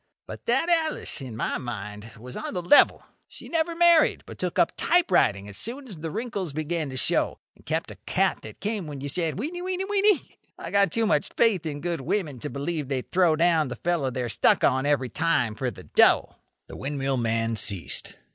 "But that Alice, in my mind, was on the level. She never married, but took up typewriting as soon as the wrinkles began to show, and kept a cat that came when you said 'weeny—weeny—weeny!' I got too much faith in good women to believe they throw down the fellow they're stuck on every time for the dough." The windmill man ceased.